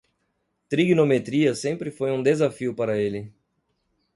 Trigonometria sempre foi um desafio para ele.